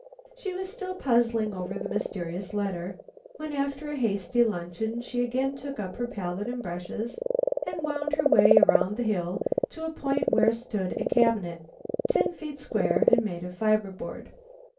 She was still puzzling over the mysterious letter when, after a hasty luncheon, she again took up her palette and brushes and wound her way around the hill to a point where stood a cabinet, ten feet square and made of fiber board.